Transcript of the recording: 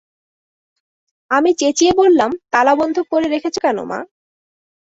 আমি চেঁচিয়ে বললাম, তালাবন্ধ করে রেখেছ কেন মা?